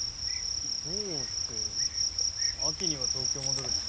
どうって秋には東京戻るしま